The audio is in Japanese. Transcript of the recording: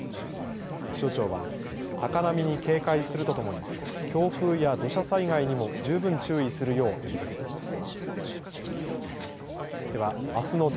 気象庁は高波に警戒するとともに強風や土砂災害にも十分注意するよう呼びかけています。